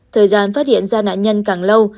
thời gian phát hiện ra nạn nhân càng lâu